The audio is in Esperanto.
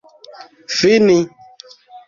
fini